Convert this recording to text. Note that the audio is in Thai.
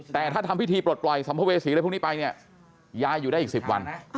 แต่ถ้าทำพิธีปลดปล่อยสัมภเวษีอะไรพวกนี้ไปเนี่ยยายอยู่ได้อีก๑๐วัน